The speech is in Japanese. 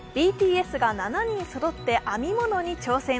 ＢＴＳが７人そろって編み物に挑戦。